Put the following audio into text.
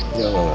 gak gak gak gak